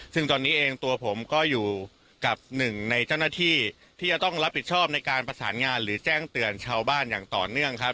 ซึ่งตอนนี้เองตัวผมก็อยู่กับหนึ่งในเจ้าหน้าที่ที่จะต้องรับผสานงานในการแจ้งเตือนชาวบ้านต่อเน่งครับ